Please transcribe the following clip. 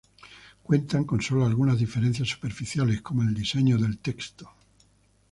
Cuentan con solo algunas diferencias superficiales como el diseño del texto.